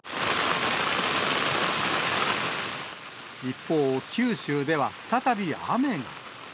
一方、九州では再び雨が。